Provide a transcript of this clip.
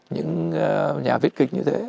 những nhà viết kịch như thế